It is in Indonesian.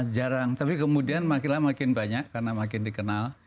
jarang tapi kemudian makin banyak karena makin dikenal